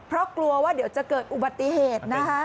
เพราะกลัวว่าเดี๋ยวจะเกิดอุบัติเหตุนะคะ